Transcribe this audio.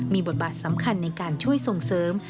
มีบทบาทสำคัญในการช่วยส่งเสริม